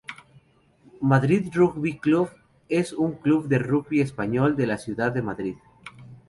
Madrid Rugby Club es un club de rugby español, de la ciudad de Madrid.